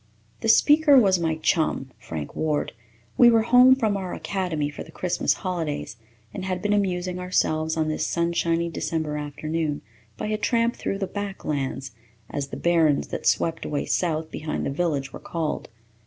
The speaker was my chum, Frank Ward. We were home from our academy for the Christmas holidays and had been amusing ourselves on this sunshiny December afternoon by a tramp through the "back lands," as the barrens that swept away south behind the village were called.